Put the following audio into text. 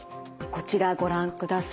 こちらご覧ください。